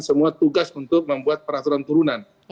semua tugas untuk membuat peraturan turunan